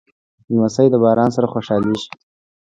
لمسی د باران سره خوشحالېږي.